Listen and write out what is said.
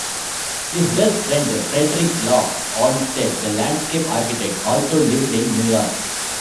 His best friend, Frederick Law Olmsted, the landscape architect, also lived in New York.